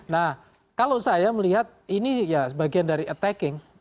nah kalau saya melihat ini ya bagian dari attacking